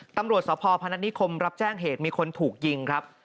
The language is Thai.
ตำรวจสพพนัทนิคมรับแจ้งเหตุมีคนถูกยิงครับ